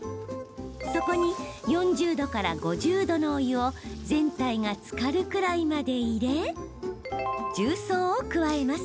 そこに４０度から５０度のお湯を全体がつかるくらいまで入れ重曹を加えます。